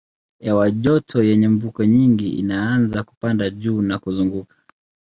Hewa joto yenye mvuke nyingi inaanza kupanda juu na kuzunguka.